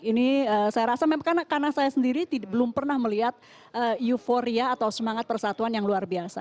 ini saya rasa karena saya sendiri belum pernah melihat euforia atau semangat persatuan yang luar biasa